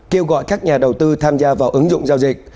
kêu gọi các nhà đầu tư tham gia vào ứng dụng giao dịch